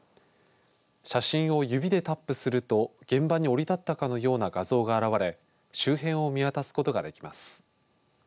写真を指でタップすると現場に降り立ったかのような画像が現れ周辺を見渡すことができます。